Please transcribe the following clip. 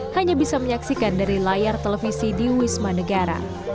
hanya bisa menyaksikan dari layar televisi di wisma negara